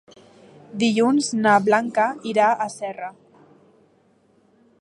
Dilluns na Blanca irà a Serra.